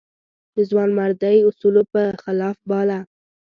د ځوانمردۍ اصولو په خلاف باله.